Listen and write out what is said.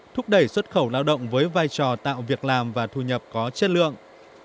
thúc đẩy xuất khẩu lao động với vai trò tạo việc làm và thu nhập có chất lượng